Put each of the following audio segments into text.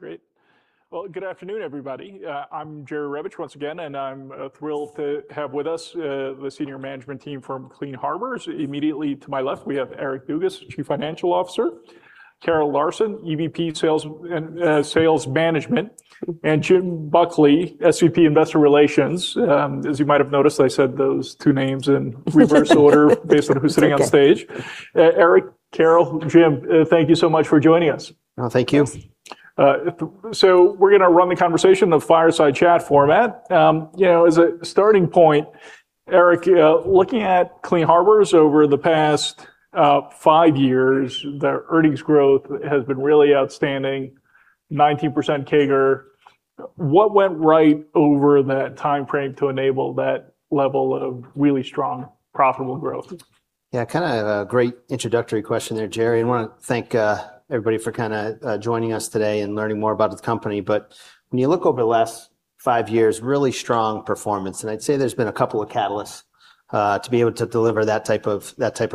Great. Well, good afternoon, everybody. I'm Jerry Revich once again, I'm thrilled to have with us the senior management team from Clean Harbors. Immediately to my left, we have Eric Dugas, Chief Financial Officer, Carol Larsen, EVP Sales Management, Jim Buckley, SVP Investor Relations. As you might have noticed, I said those two names in reverse order based on who's sitting on stage. Okay. Eric, Carol, Jim, thank you so much for joining us. Thank you. Thanks. We're going to run the conversation in the fireside chat format. As a starting point, Eric, looking at Clean Harbors over the past five years, their earnings growth has been really outstanding, 19% CAGR. What went right over that timeframe to enable that level of really strong, profitable growth? Yeah, a great introductory question there, Jerry. I want to thank everybody for joining us today and learning more about the company. When you look over the last five years, really strong performance, and I'd say there's been a couple of catalysts to be able to deliver that type of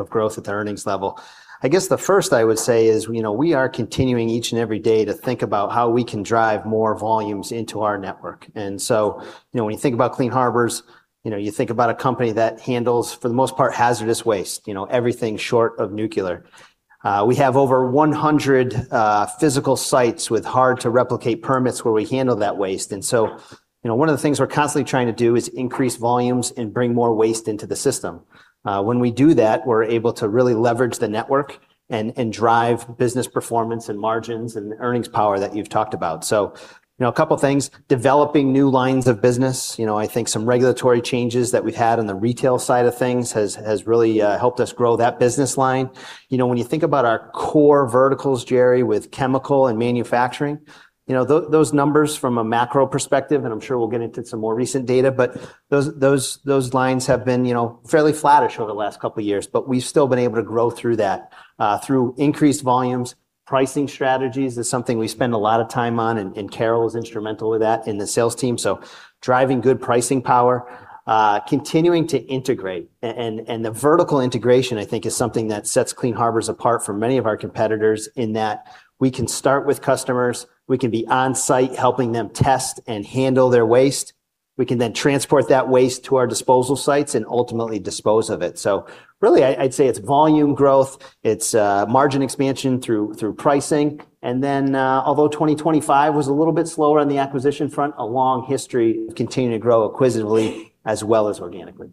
growth at the earnings level. I guess the first I would say is we are continuing each and every day to think about how we can drive more volumes into our network. When you think about Clean Harbors, you think about a company that handles, for the most part, hazardous waste, everything short of nuclear. We have over 100 physical sites with hard-to-replicate permits where we handle that waste. One of the things we're constantly trying to do is increase volumes and bring more waste into the system. When we do that, we're able to really leverage the network and drive business performance and margins and the earnings power that you've talked about. A couple of things, developing new lines of business. I think some regulatory changes that we've had on the retail side of things has really helped us grow that business line. When you think about our core verticals, Jerry, with chemical and manufacturing, those numbers from a macro perspective, and I'm sure we'll get into some more recent data, those lines have been fairly flattish over the last couple of years. We've still been able to grow through that. Through increased volumes, pricing strategies is something we spend a lot of time on, and Carol is instrumental with that and the sales team, driving good pricing power. Continuing to integrate, the vertical integration, I think, is something that sets Clean Harbors apart from many of our competitors in that we can start with customers, we can be on-site helping them test and handle their waste, we can then transport that waste to our disposal sites, and ultimately dispose of it. Really, I'd say it's volume growth, it's margin expansion through pricing, and then, although 2025 was a little bit slower on the acquisition front, a long history of continuing to grow acquisitively as well as organically.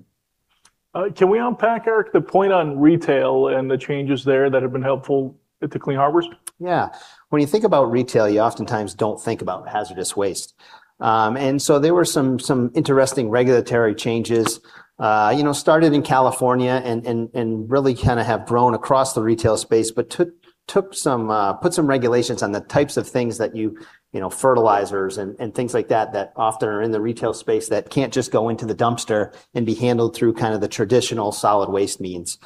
Can we unpack, Eric, the point on retail and the changes there that have been helpful to Clean Harbors? Yeah. When you think about retail, you oftentimes don't think about hazardous waste. There were some interesting regulatory changes. Started in California and really have grown across the retail space, but put some regulations on the types of things, fertilizers and things like that often are in the retail space that can't just go into the dumpster and be handled through the traditional solid waste means.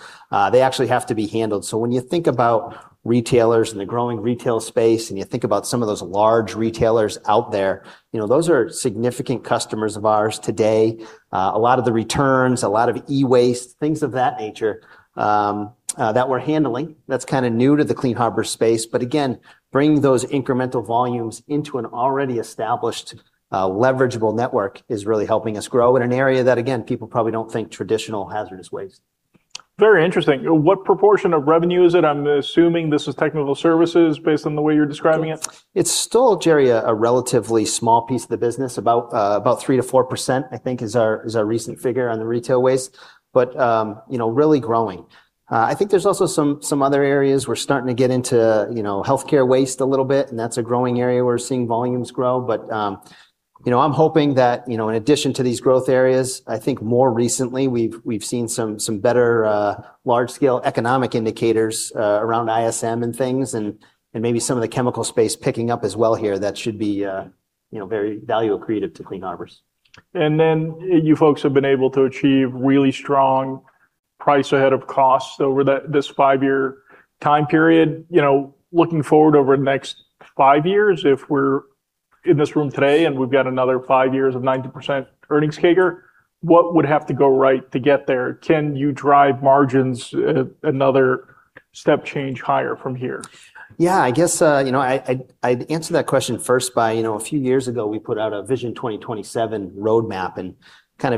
They actually have to be handled. When you think about retailers and the growing retail space, and you think about some of those large retailers out there, those are significant customers of ours today. A lot of the returns, a lot of e-waste, things of that nature, that we're handling, that's kind of new to the Clean Harbors space. Again, bringing those incremental volumes into an already established leverageable network is really helping us grow in an area that, again, people probably don't think traditional hazardous waste. Very interesting. What proportion of revenue is it? I'm assuming this is technical services based on the way you're describing it. It's still, Jerry, a relatively small piece of the business, about 3%-4%, I think is our recent figure on the retail waste, but really growing. I think there's also some other areas. We're starting to get into healthcare waste a little bit, and that's a growing area we're seeing volumes grow. I'm hoping that in addition to these growth areas, I think more recently, we've seen some better large-scale economic indicators around ISM and things and maybe some of the chemical space picking up as well here. That should be very value accretive to Clean Harbors. You folks have been able to achieve really strong price ahead of costs over this five-year time period. Looking forward over the next five years, if we're in this room today and we've got another five years of 90% earnings CAGR, what would have to go right to get there? Can you drive margins another step change higher from here? I guess I'd answer that question first by a few years ago, we put out a Vision 2027 roadmap, and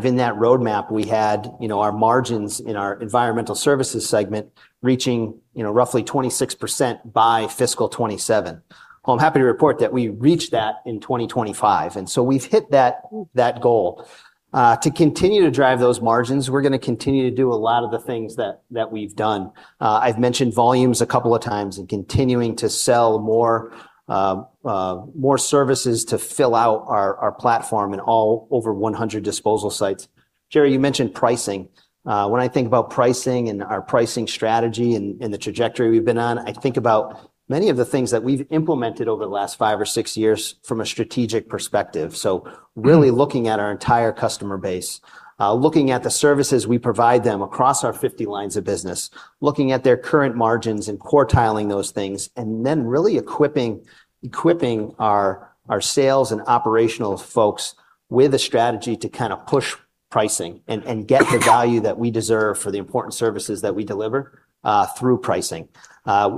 in that roadmap, we had our margins in our environmental services segment reaching roughly 26% by FY 2027. I'm happy to report that we reached that in 2025. We've hit that goal. To continue to drive those margins, we're going to continue to do a lot of the things that we've done. I've mentioned volumes a couple of times and continuing to sell more services to fill out our platform in all over 100 disposal sites. Jerry, you mentioned pricing. When I think about pricing and our pricing strategy and the trajectory we've been on, I think about many of the things that we've implemented over the last five or six years from a strategic perspective. Really looking at our entire customer base, looking at the services we provide them across our 50 lines of business, looking at their current margins and quartiling those things, and then really equipping our sales and operational folks with a strategy to kind of push pricing and get the value that we deserve for the important services that we deliver through pricing.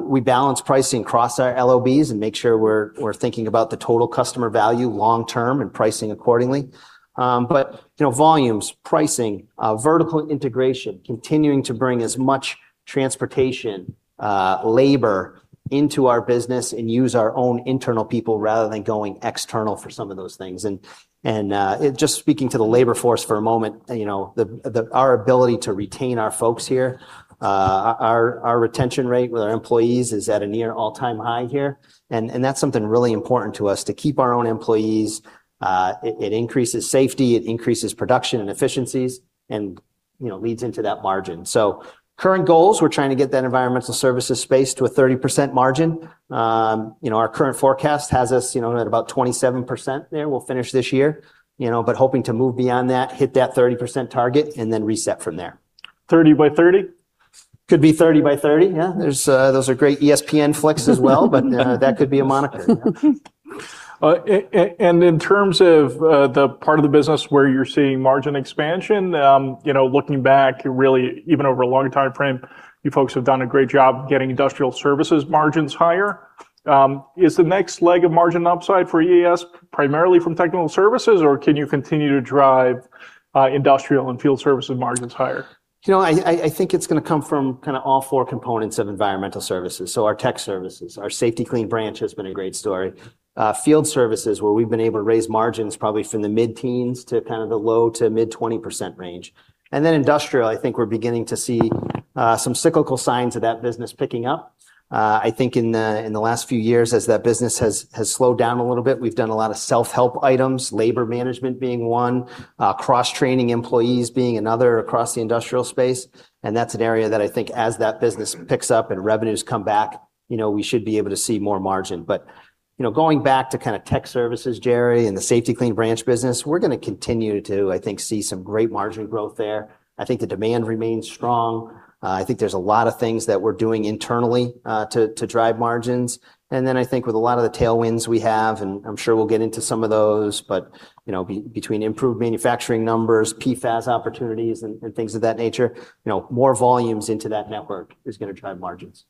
We balance pricing across our LOBs and make sure we're thinking about the total customer value long-term and pricing accordingly. Volumes, pricing, vertical integration, continuing to bring as much transportation labor into our business and use our own internal people rather than going external for some of those things. Just speaking to the labor force for a moment, our ability to retain our folks here, our retention rate with our employees is at a near all-time high here, and that's something really important to us, to keep our own employees. It increases safety, it increases production and efficiencies and leads into that margin. Current goals, we're trying to get that environmental services space to a 30% margin. Our current forecast has us in at about 27% there. We'll finish this year, but hoping to move beyond that, hit that 30% target. Reset from there. 30 by 30? Could be 30 by 30. Yeah. Those are great ESPN flicks as well, but that could be a moniker. Yeah. In terms of the part of the business where you're seeing margin expansion, looking back really even over a longer timeframe, you folks have done a great job getting industrial services margins higher. Is the next leg of margin upside for ES primarily from technical services, or can you continue to drive industrial and field services margins higher? I think it's going to come from kind of all four components of environmental services. Our technical services, our Safety-Kleen branch has been a great story. Field Services, where we've been able to raise margins probably from the mid-teens to kind of the low to mid-20% range. Then Industrial, I think we're beginning to see some cyclical signs of that business picking up. I think in the last few years as that business has slowed down a little bit, we've done a lot of self-help items, labor management being one, cross-training employees being another across the Industrial space, and that's an area that I think as that business picks up and revenues come back, we should be able to see more margin. Going back to kind of technical services, Jerry, and the Safety-Kleen branch business, we're going to continue to, I think, see some great margin growth there. I think the demand remains strong. I think there's a lot of things that we're doing internally to drive margins. Then I think with a lot of the tailwinds we have, and I'm sure we'll get into some of those, between improved manufacturing numbers, PFAS opportunities, and things of that nature, more volumes into that network is going to drive margins.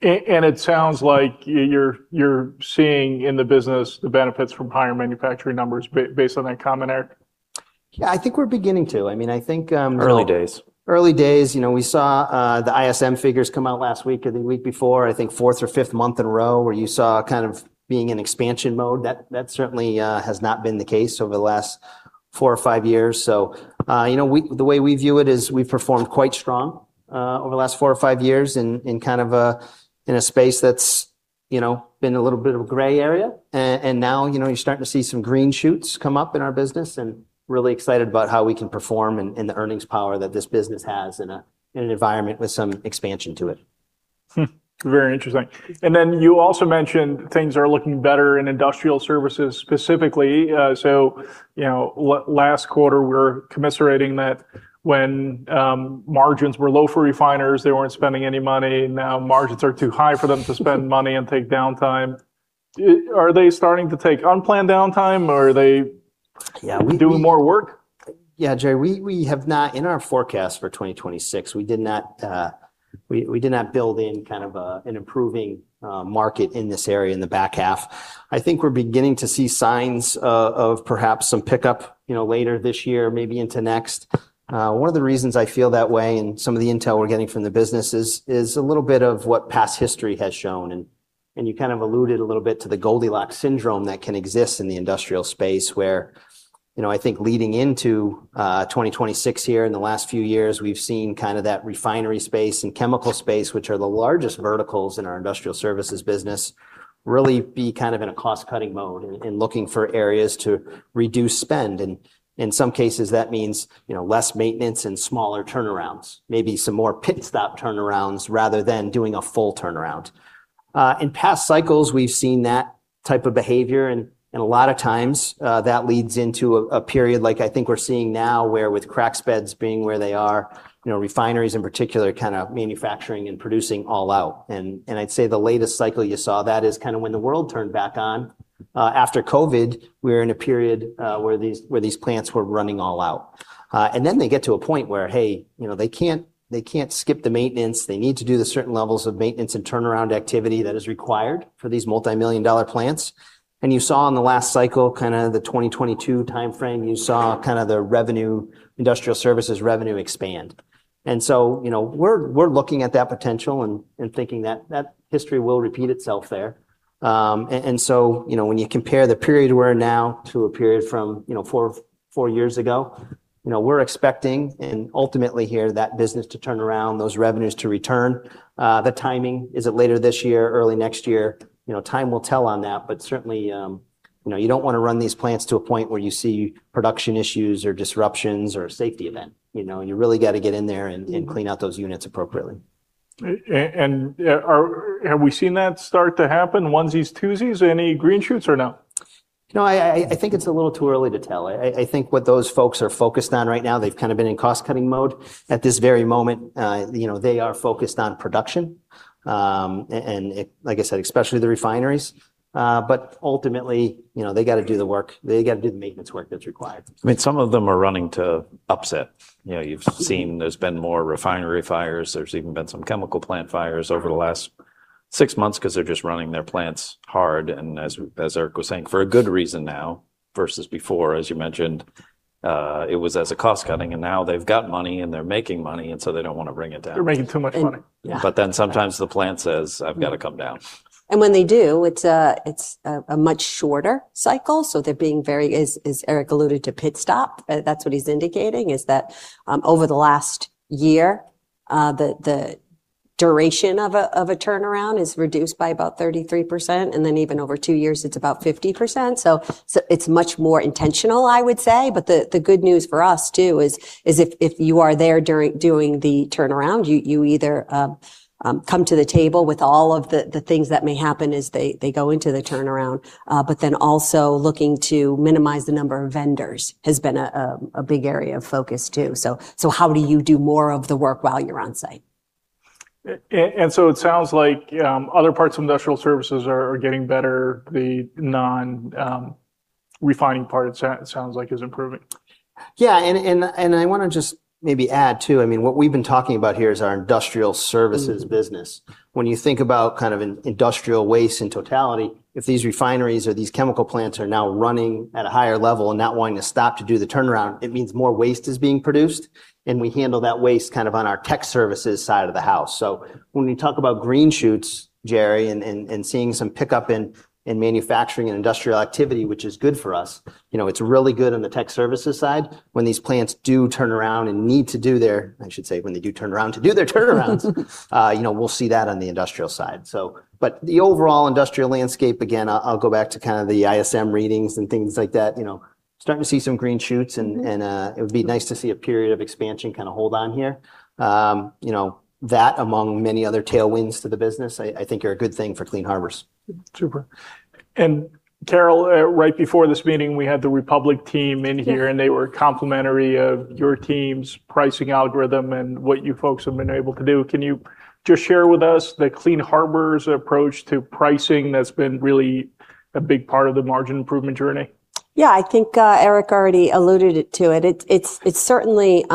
It sounds like you're seeing in the business the benefits from higher manufacturing numbers based on that comment, Eric. Yeah, I think we're beginning to. Early days. Early days. We saw the ISM figures come out last week or the week before, I think fourth or fifth month in a row where you saw kind of being in expansion mode. That certainly has not been the case over the last four or five years. The way we view it is we've performed quite strong over the last four or five years in a space that's been a little bit of a gray area. Now you're starting to see some green shoots come up in our business and really excited about how we can perform and the earnings power that this business has in an environment with some expansion to it. Very interesting. You also mentioned things are looking better in industrial services specifically. Last quarter, we were commiserating that when margins were low for refiners, they weren't spending any money. Now margins are too high for them to spend money and take downtime. Are they starting to take unplanned downtime? Are they doing more work? Yeah, Jerry, in our forecast for 2026, we did not build in kind of an improving market in this area in the back half. I think we're beginning to see signs of perhaps some pickup later this year, maybe into next. One of the reasons I feel that way, and some of the intel we're getting from the business is a little bit of what past history has shown, and you kind of alluded a little bit to the Goldilocks syndrome that can exist in the industrial space where I think leading into 2026 here in the last few years, we've seen kind of that refinery space and chemical space, which are the largest verticals in our industrial services business, really be kind of in a cost-cutting mode and looking for areas to reduce spend. In some cases, that means less maintenance and smaller turnarounds. Maybe some more pit stop turnarounds rather than doing a full turnaround. In past cycles, we've seen that type of behavior. A lot of times that leads into a period like I think we're seeing now where with crack spreads being where they are, refineries in particular kind of manufacturing and producing all out. I'd say the latest cycle you saw that is kind of when the world turned back on after COVID, we were in a period where these plants were running all out. Then they get to a point where, hey, they can't skip the maintenance. They need to do the certain levels of maintenance and turnaround activity that is required for these multimillion-dollar plants. You saw in the last cycle, kind of the 2022 timeframe, you saw kind of the industrial services revenue expand. We're looking at that potential and thinking that history will repeat itself there. When you compare the period we're in now to a period from four years ago, we're expecting, and ultimately here, that business to turn around, those revenues to return. The timing, is it later this year, early next year? Time will tell on that, but certainly you don't want to run these plants to a point where you see production issues or disruptions or a safety event. You really got to get in there and clean out those units appropriately. Have we seen that start to happen, onesies, twosies, any green shoots or no? No, I think it's a little too early to tell. I think what those folks are focused on right now, they've kind of been in cost-cutting mode. At this very moment, they are focused on production, and like I said, especially the refineries. Ultimately, they got to do the work. They got to do the maintenance work that's required. Some of them are running to upset. You've seen there's been more refinery fires. There's even been some chemical plant fires over the last six months because they're just running their plants hard, and as Eric was saying, for a good reason now, versus before, as you mentioned, it was as a cost cutting, and now they've got money, and they're making money, and so they don't want to bring it down. They're making too much money. Sometimes the plant says, "I've got to come down. When they do, it's a much shorter cycle. They're being very, as Eric alluded to, pit stop. That's what he's indicating, is that over the last year, the duration of a turnaround is reduced by about 33%, and then even over two years, it's about 50%. It's much more intentional, I would say. The good news for us, too, is if you are there doing the turnaround, you either come to the table with all of the things that may happen as they go into the turnaround. Also looking to minimize the number of vendors has been a big area of focus, too. How do you do more of the work while you're on site? It sounds like other parts of industrial services are getting better. The non-refining part, it sounds like, is improving. I want to just maybe add, too, what we've been talking about here is our industrial services business. When you think about industrial waste in totality, if these refineries or these chemical plants are now running at a higher level and not wanting to stop to do the turnaround, it means more waste is being produced, and we handle that waste on our technical services side of the house. When we talk about green shoots, Jerry, and seeing some pickup in manufacturing and Industrial activity, which is good for us, it's really good on the technical services side. When these plants do turn around and need to do their turnarounds, we'll see that on the Industrial side. The overall industrial landscape, again, I'll go back to the ISM readings and things like that. Starting to see some green shoots, it would be nice to see a period of expansion kind of hold on here. That, among many other tailwinds to the business, I think are a good thing for Clean Harbors. Super. Carol, right before this meeting, we had the Republic team in here, and they were complimentary of your team's pricing algorithm and what you folks have been able to do. Can you just share with us the Clean Harbors approach to pricing that's been really a big part of the margin improvement journey? Yeah, I think Eric already alluded to it. It's certainly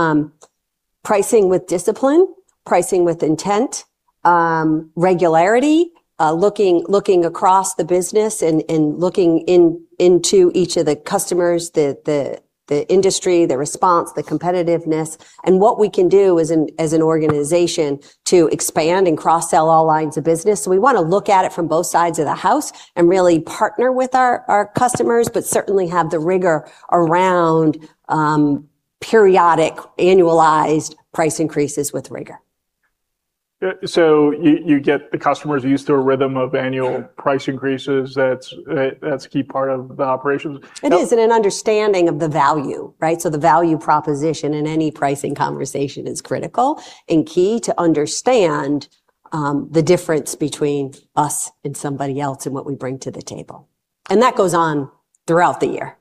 pricing with discipline, pricing with intent, regularity, looking across the business, and looking into each of the customers, the industry, the response, the competitiveness, and what we can do as an organization to expand and cross-sell all lines of business. We want to look at it from both sides of the house and really partner with our customers, but certainly have the rigor around periodic annualized price increases with rigor. You get the customers used to a rhythm of annual price increases. That's a key part of the operations. It is, an understanding of the value, right? The value proposition in any pricing conversation is critical and key to understand the difference between us and somebody else and what we bring to the table. That goes on throughout the year.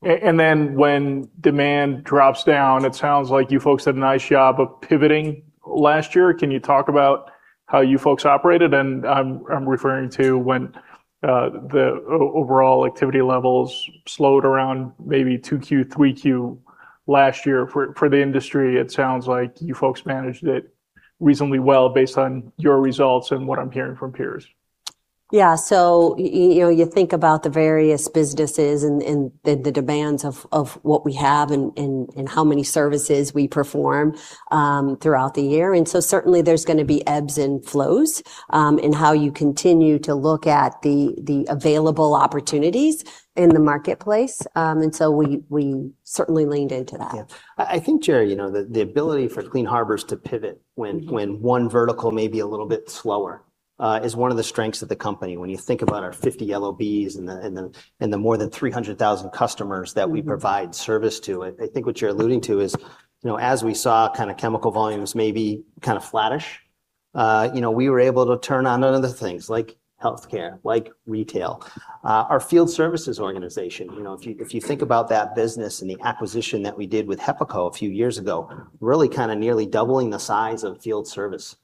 When demand drops down, it sounds like you folks did a nice job of pivoting last year. Can you talk about how you folks operated? I'm referring to when the overall activity levels slowed around maybe 2Q, 3Q last year. For the industry, it sounds like you folks managed it reasonably well based on your results and what I'm hearing from peers. Yeah. You think about the various businesses and the demands of what we have and how many services we perform throughout the year. Certainly, there's going to be ebbs and flows in how you continue to look at the available opportunities in the marketplace. We certainly leaned into that. Yeah. I think, Jerry, the ability for Clean Harbors to pivot when one vertical may be a little bit slower is one of the strengths of the company. When you think about our 50 LOBs and the more than 300,000 customers that we provide service to, I think what you're alluding to is as we saw chemical volumes maybe kind of flattish, we were able to turn on other things like healthcare, like retail. Our field services organization, if you think about that business and the acquisition that we did with HEPACO a few years ago, really kind of nearly doubling the size of field services.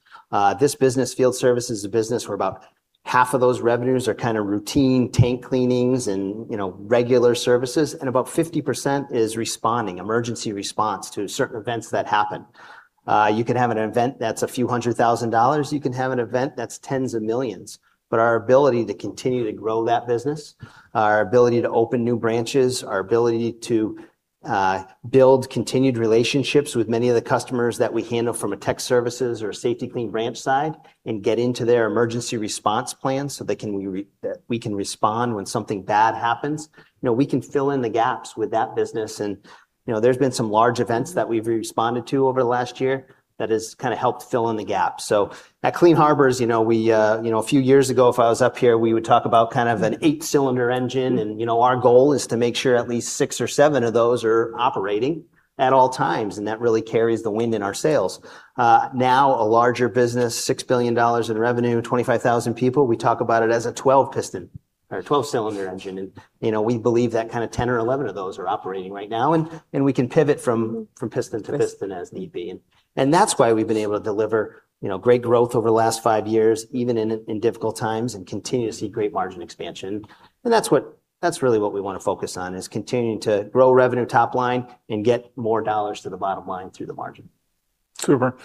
This business, field services, is a business where about half of those revenues are kind of routine tank cleanings and regular services, and about 50% is responding, emergency response to certain events that happen. You can have an event that's a few hundred thousand dollars. You can have an event that's tens of millions. Our ability to continue to grow that business, our ability to open new branches, our ability to build continued relationships with many of the customers that we handle from a technical services or Safety-Kleen branch side and get into their emergency response plan so we can respond when something bad happens. We can fill in the gaps with that business, and there's been some large events that we've responded to over the last year that has kind of helped fill in the gap. At Clean Harbors, a few years ago, if I was up here, we would talk about kind of an eight-cylinder engine, and our goal is to make sure at least six or seven of those are operating at all times, and that really carries the wind in our sails. Now a larger business, $6 billion in revenue, 25,000 people, we talk about it as a 12-piston or a 12-cylinder engine. We believe that 10 or 11 of those are operating right now, and we can pivot from piston to piston as need be. That's why we've been able to deliver great growth over the last five years, even in difficult times, and continue to see great margin expansion. That's really what we want to focus on, is continuing to grow revenue top line and get more dollars to the bottom line through the margin. Super.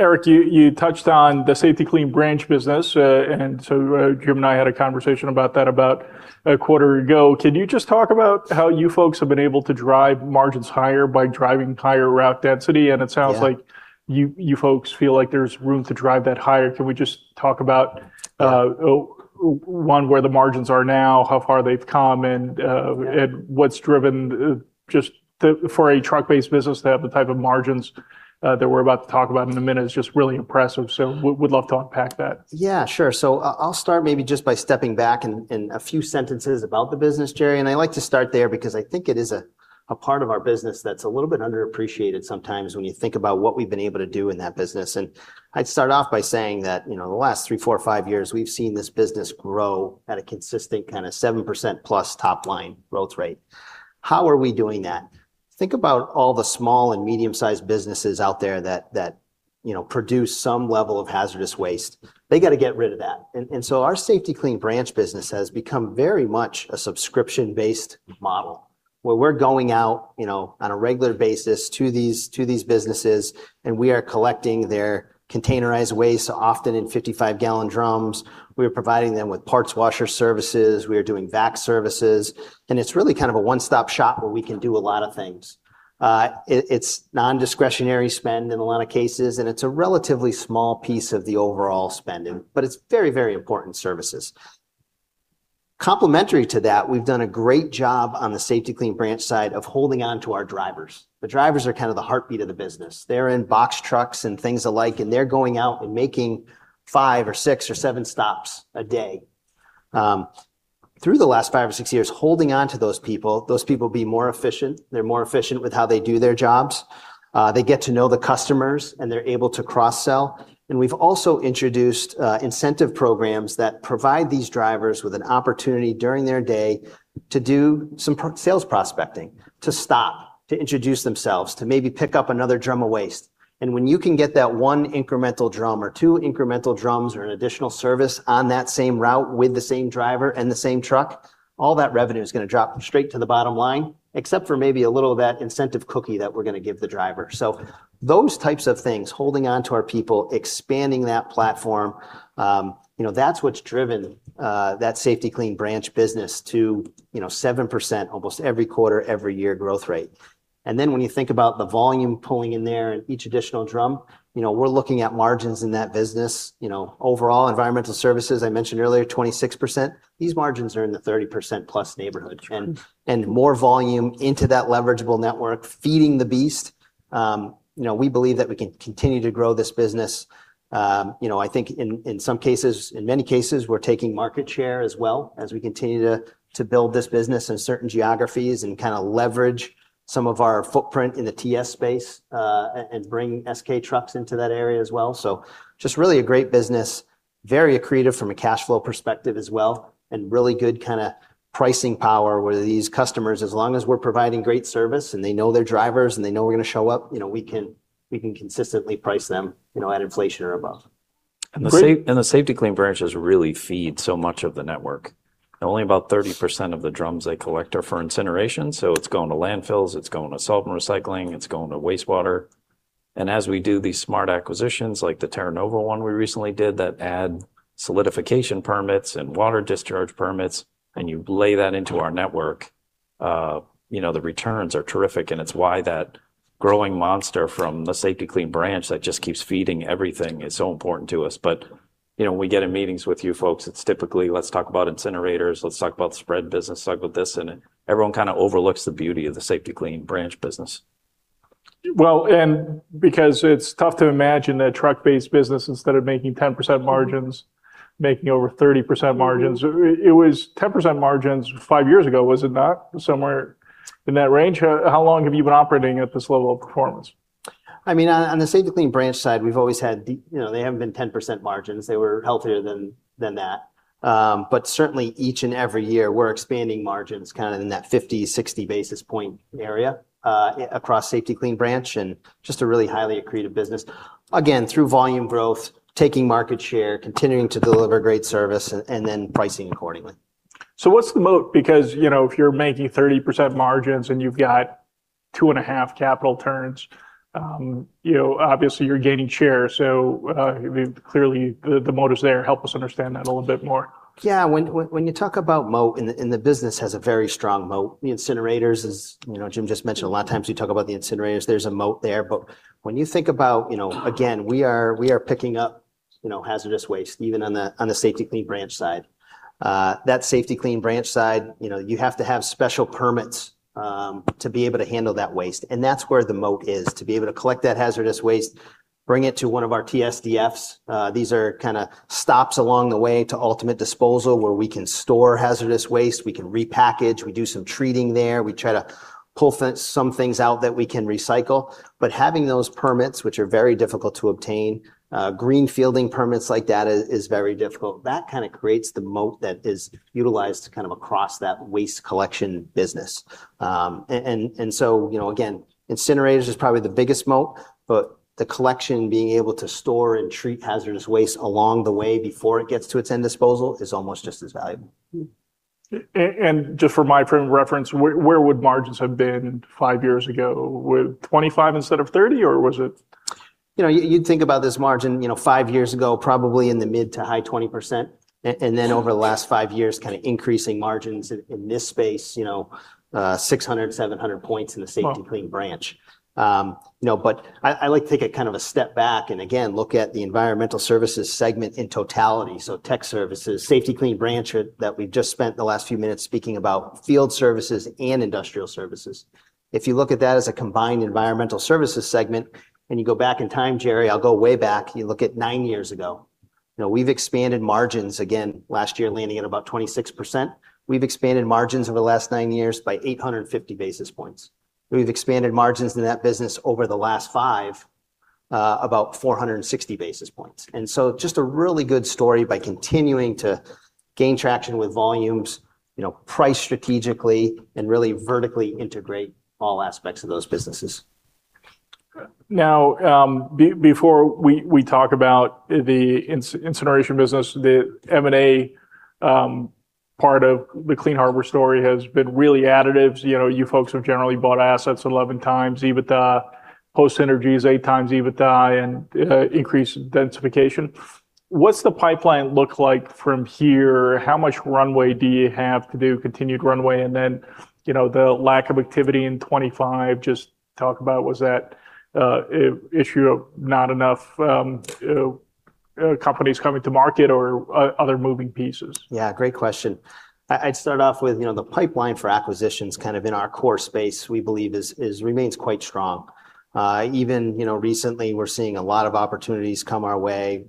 Eric, you touched on the Safety-Kleen branch business. Jim and I had a conversation about that about a quarter ago. Can you just talk about how you folks have been able to drive margins higher by driving higher route density? Yeah. It sounds like you folks feel like there's room to drive that higher. Can we just talk about, one, where the margins are now, how far they've come, and what's driven just for a truck-based business to have the type of margins that we're about to talk about in a minute is just really impressive. Would love to unpack that. Yeah. Sure. I'll start maybe just by stepping back and a few sentences about the business, Jerry, and I like to start there because I think it is a part of our business that's a little bit underappreciated sometimes when you think about what we've been able to do in that business. I'd start off by saying that the last three, four, five years we've seen this business grow at a consistent kind of 7%+ top line growth rate. How are we doing that? Think about all the small and medium sized businesses out there that produce some level of hazardous waste. They got to get rid of that. Our Safety-Kleen branch business has become very much a subscription-based model where we're going out on a regular basis to these businesses, and we are collecting their containerized waste, often in 55 gallon drums. We are providing them with parts washer services, we are doing vac services, and it's really kind of a one-stop shop where we can do a lot of things. It's non-discretionary spend in a lot of cases, and it's a relatively small piece of the overall spending, but it's very, very important services. Complementary to that, we've done a great job on the Safety-Kleen branch side of holding onto our drivers. The drivers are kind of the heartbeat of the business. They're in box trucks and things alike, and they're going out and making five or six or seven stops a day. Through the last five or six years, holding onto those people, those people be more efficient. They're more efficient with how they do their jobs. They get to know the customers, and they're able to cross-sell. We've also introduced incentive programs that provide these drivers with an opportunity during their day to do some sales prospecting, to stop, to introduce themselves, to maybe pick up another drum of waste. When you can get that one incremental drum or two incremental drums or an additional service on that same route with the same driver and the same truck, all that revenue is going to drop straight to the bottom line, except for maybe a little of that incentive cookie that we're going to give the driver. Those types of things, holding onto our people, expanding that platform, that's what's driven that Safety-Kleen branch business to 7% almost every quarter, every year growth rate. Then when you think about the volume pulling in there and each additional drum, we're looking at margins in that business. Overall environmental services, I mentioned earlier, 26%. These margins are in the 30% plus neighborhood. More volume into that leverageable network, feeding the beast. We believe that we can continue to grow this business. I think in many cases, we're taking market share as well as we continue to build this business in certain geographies and kind of leverage some of our footprint in the TS space, and bring SK trucks into that area as well. Just really a great business, very accretive from a cash flow perspective as well. Really good kind of pricing power where these customers, as long as we're providing great service and they know their drivers and they know we're going to show up, we can consistently price them at inflation or above. Great. The Safety-Kleen branches really feed so much of the network. Only about 30% of the drums they collect are for incineration. It's going to landfills, it's going to salt and recycling, it's going to wastewater. As we do these smart acquisitions, like the Terra Nova one we recently did that add solidification permits and water discharge permits, and you lay that into our network, the returns are terrific. It's why that growing monster from the Safety-Kleen branch that just keeps feeding everything is so important to us. When we get in meetings with you folks, it's typically, let's talk about incinerators, let's talk about the spread business, let's talk about this and that. Everyone kind of overlooks the beauty of the Safety-Kleen branch business. Because it's tough to imagine that truck-based business instead of making 10% margins, making over 30% margins. It was 10% margins five years ago, was it not? Somewhere in that range. How long have you been operating at this level of performance? On the Safety-Kleen branch side, they haven't been 10% margins. They were healthier than that. Certainly each and every year, we're expanding margins kind of in that 50, 60 basis point area, across Safety-Kleen branch, and just a really highly accretive business. Again, through volume growth, taking market share, continuing to deliver great service and then pricing accordingly. What's the moat? Because if you're making 30% margins and you've got two and a half capital turns, obviously you're gaining share. Clearly the moat is there. Help us understand that a little bit more. When you talk about moat, the business has a very strong moat. Jim just mentioned a lot of times you talk about the incinerators, there's a moat there. When you think about, again, we are picking up hazardous waste even on the Safety-Kleen branch side. That Safety-Kleen branch side you have to have special permits to be able to handle that waste, and that's where the moat is. To be able to collect that hazardous waste. Bring it to one of our TSDFs. These are kind of stops along the way to ultimate disposal where we can store hazardous waste. We can repackage, we do some treating there. We try to pull some things out that we can recycle. Having those permits, which are very difficult to obtain, green fielding permits like that is very difficult. That kind of creates the moat that is utilized kind of across that waste collection business. Again, incinerators is probably the biggest moat, but the collection, being able to store and treat hazardous waste along the way before it gets to its end disposal is almost just as valuable. Just for my frame of reference, where would margins have been five years ago? Would 25 instead of 30, or was it? You'd think about this margin five years ago, probably in the mid to high 20%. Over the last five years, kind of increasing margins in this space, 600, 700 basis points in the Safety-Kleen branch. I like to take it kind of a step back and again, look at the environmental services segment in totality. Technical Services, Safety-Kleen branch that we've just spent the last few minutes speaking about, field services and industrial services. If you look at that as a combined environmental services segment and you go back in time, Jerry, I'll go way back. You look at nine years ago. We've expanded margins again last year, landing at about 26%. We've expanded margins over the last nine years by 850 basis points. We've expanded margins in that business over the last five, about 460 basis points. Just a really good story by continuing to gain traction with volumes, price strategically, and really vertically integrate all aspects of those businesses. Before we talk about the incineration business, the M&A part of the Clean Harbors story has been really additive. You folks have generally bought assets 11 times EBITDA, post synergies eight times EBITDA, and increased densification. What's the pipeline look like from here? How much runway do you have to do continued runway? Then the lack of activity in 2025, just talk about was that an issue of not enough companies coming to market or other moving pieces? Yeah, great question. I'd start off with the pipeline for acquisitions kind of in our core space, we believe remains quite strong. Even recently, we're seeing a lot of opportunities come our way,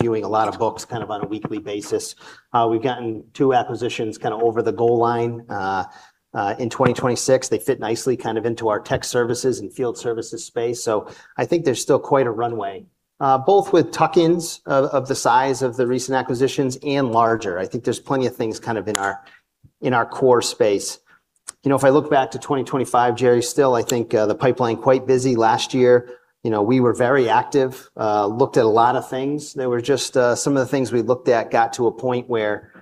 viewing a lot of books kind of on a weekly basis. We've gotten two acquisitions kind of over the goal line in 2026. They fit nicely kind of into our Technical Services and Field Services space. I think there's still quite a runway. Both with tuck-ins of the size of the recent acquisitions and larger. I think there's plenty of things kind of in our core space. If I look back to 2025, Jerry, still, I think the pipeline quite busy. Last year, we were very active, looked at a lot of things. They were just some of the things we looked at got to a point where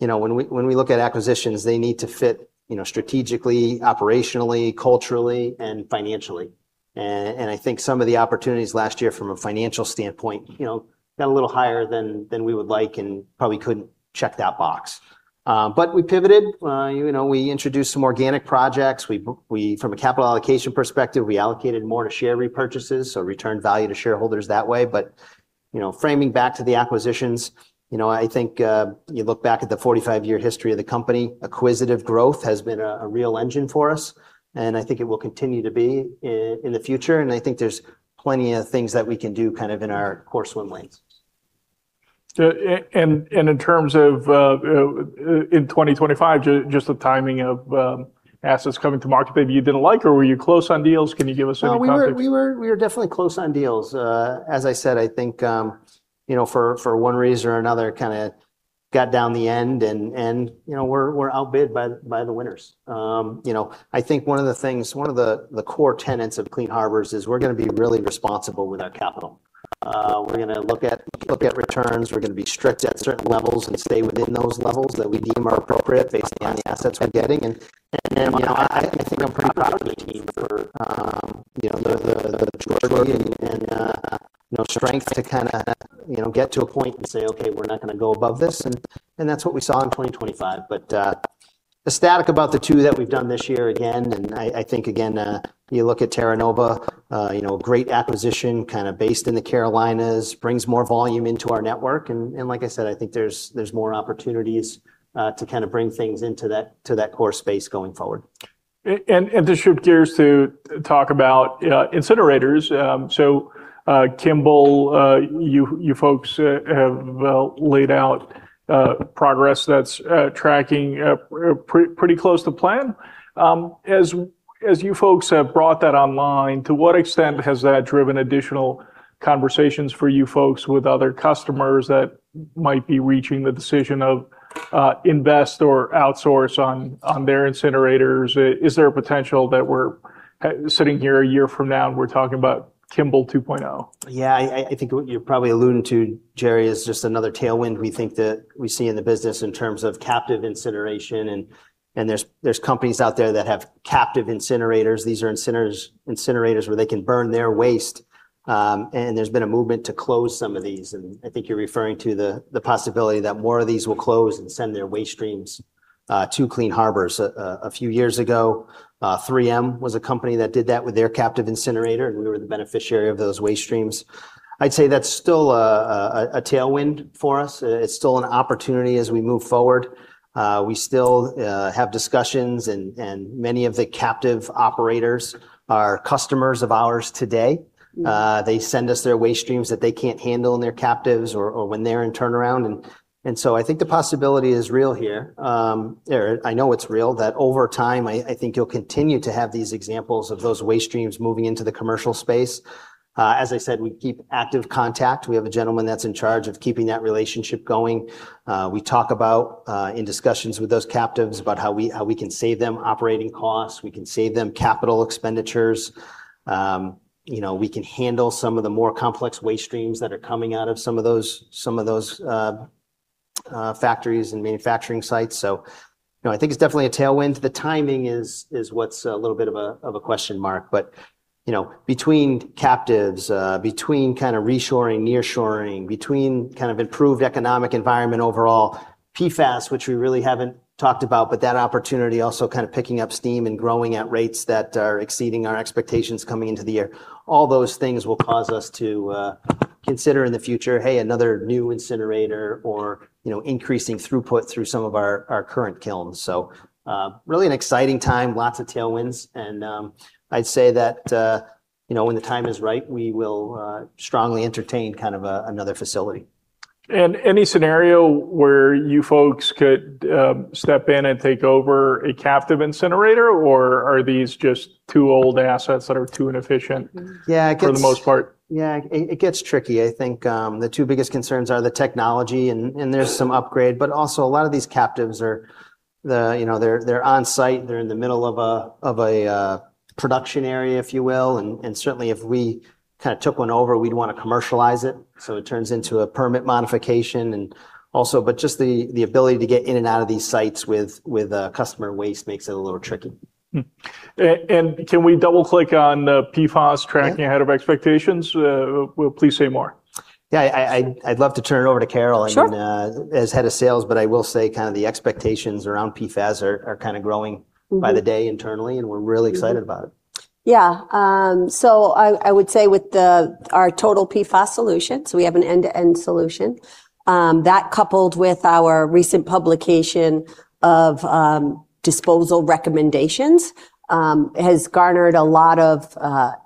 when we look at acquisitions, they need to fit strategically, operationally, culturally, and financially. I think some of the opportunities last year from a financial standpoint got a little higher than we would like and probably couldn't check that box. We pivoted. We introduced some organic projects. From a capital allocation perspective, we allocated more to share repurchases, returned value to shareholders that way. Framing back to the acquisitions, I think you look back at the 45-year history of the company, acquisitive growth has been a real engine for us, and I think it will continue to be in the future, and I think there's plenty of things that we can do kind of in our core swim lanes. In terms of in 2025, just the timing of assets coming to market maybe you didn't like, or were you close on deals? Can you give us any context? No, we were definitely close on deals. As I said, for one reason or another, got down to the end and we're outbid by the winners. One of the things, one of the core tenets of Clean Harbors is we're going to be really responsible with our capital. We're going to look at returns. We're going to be strict at certain levels and stay within those levels that we deem are appropriate based on the assets we're getting. I'm pretty proud of the team for the groundwork and strength to get to a point and say, "Okay, we're not going to go above this," and that's what we saw in 2025. Ecstatic about the two that we've done this year again, you look at Terra Nova, a great acquisition based in the Carolinas, brings more volume into our network. Like I said, there's more opportunities to bring things into that core space going forward. To shift gears to talk about incinerators. Kimball, you folks have laid out progress that's tracking pretty close to plan. As you folks have brought that online, to what extent has that driven additional conversations for you folks with other customers that might be reaching the decision of invest or outsource on their incinerators? Is there a potential that we're sitting here a year from now and we're talking about Kimball 2.0? Yeah. What you're probably alluding to, Jerry, is just another tailwind we see in the business in terms of captive incineration. There's companies out there that have captive incinerators. These are incinerators where they can burn their waste. There's been a movement to close some of these, and you're referring to the possibility that more of these will close and send their waste streams to Clean Harbors. A few years ago, 3M was a company that did that with their captive incinerator, and we were the beneficiary of those waste streams. I'd say that's still a tailwind for us. It's still an opportunity as we move forward. We still have discussions, many of the captive operators are customers of ours today. They send us their waste streams that they can't handle in their captives or when they're in turnaround. I think the possibility is real here. Eric, I know it's real, that over time, I think you'll continue to have these examples of those waste streams moving into the commercial space. As I said, we keep active contact. We have a gentleman that's in charge of keeping that relationship going. We talk about, in discussions with those captives, about how we can save them operating costs, we can save them capital expenditures. We can handle some of the more complex waste streams that are coming out of some of those factories and manufacturing sites. I think it's definitely a tailwind. The timing is what's a little bit of a question mark. Between captives, between reshoring, nearshoring, between improved economic environment overall, PFAS, which we really haven't talked about, but that opportunity also kind of picking up steam and growing at rates that are exceeding our expectations coming into the year. All those things will cause us to consider in the future, hey, another new incinerator or increasing throughput through some of our current kilns. Really an exciting time. Lots of tailwinds. I'd say that when the time is right, we will strongly entertain another facility. Any scenario where you folks could step in and take over a captive incinerator, or are these just two old assets that are too inefficient for the most part? Yeah. It gets tricky. I think, the two biggest concerns are the technology, and there's some upgrade, but also a lot of these captives are, they're on-site, they're in the middle of a production area, if you will. Certainly if we took one over, we'd want to commercialize it, so it turns into a permit modification. Just the ability to get in and out of these sites with customer waste makes it a little tricky. Hmm. Can we double-click on the PFAS tracking ahead of expectations? Please say more. Yeah, I'd love to turn it over to Carol. Sure. As head of sales. I will say the expectations around PFAS are kind of growing by the day internally, and we're really excited about it. Yeah. I would say with our total PFAS solution, we have an end-to-end solution, that coupled with our recent publication of disposal recommendations, has garnered a lot of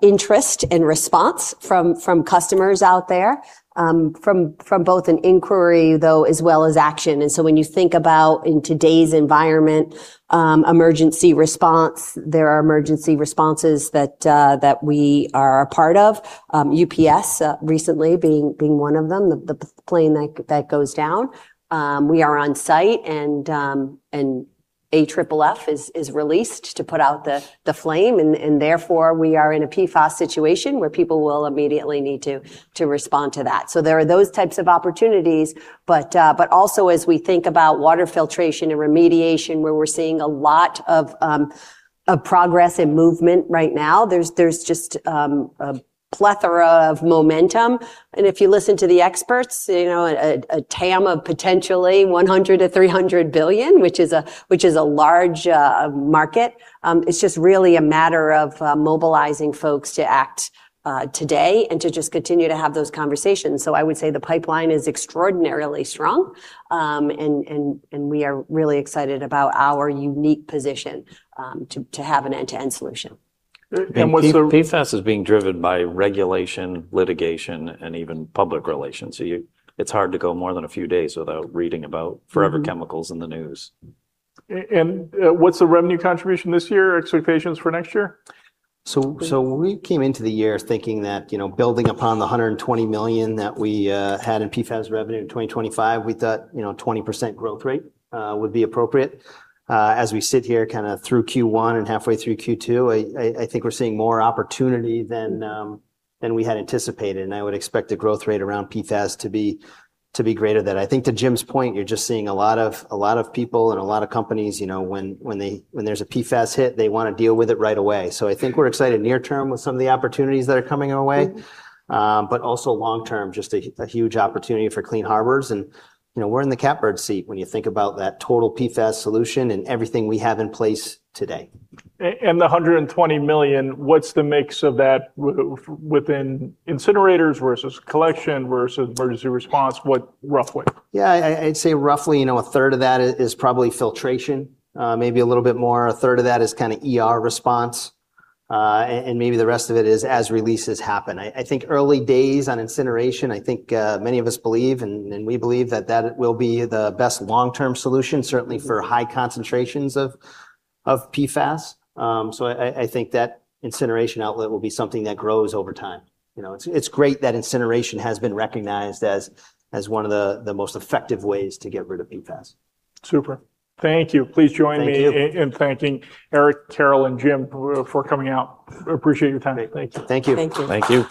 interest and response from customers out there, from both an inquiry, though, as well as action. When you think about, in today's environment, emergency response, there are emergency responses that we are a part of, UPS recently being one of them, the plane that goes down. We are on site, and AFFF is released to put out the flame, and therefore we are in a PFAS situation where people will immediately need to respond to that. There are those types of opportunities, but also as we think about water filtration and remediation, where we're seeing a lot of progress and movement right now, there's just a plethora of momentum. If you listen to the experts, a TAM of potentially $100 billion-$300 billion, which is a large market. It's just really a matter of mobilizing folks to act today and to just continue to have those conversations. I would say the pipeline is extraordinarily strong. We are really excited about our unique position to have an end-to-end solution. PFAS is being driven by regulation, litigation, and even public relations. It's hard to go more than a few days without reading about forever chemicals in the news. What's the revenue contribution this year, expectations for next year? We came into the year thinking that, building upon the $120 million that we had in PFAS revenue in 2025, we thought 20% growth rate would be appropriate. As we sit here kind of through Q1 and halfway through Q2, I think we're seeing more opportunity than we had anticipated, and I would expect the growth rate around PFAS to be greater than. I think to Jim's point, you're just seeing a lot of people and a lot of companies, when there's a PFAS hit, they want to deal with it right away. I think we're excited near term with some of the opportunities that are coming our way. Also long term, just a huge opportunity for Clean Harbors. We're in the catbird seat when you think about that total PFAS solution and everything we have in place today. The $120 million, what's the mix of that within incinerators versus collection versus emergency response? Roughly. Yeah, I'd say roughly, a third of that is probably filtration, maybe a little bit more. A third of that is kind of ER response. Maybe the rest of it is as releases happen. I think early days on incineration, I think, many of us believe, and we believe that that will be the best long-term solution, certainly for high concentrations of PFAS. I think that incineration outlet will be something that grows over time. It's great that incineration has been recognized as one of the most effective ways to get rid of PFAS. Super. Thank you. Please join menin thanking Eric, Carol, and Jim for coming out. Appreciate your time. Thank you. Thank you. Thank you. Thank you.